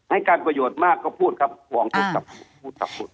ให้การประโยชน์มากก็พูดครับครูอ๋องจนกลับพูด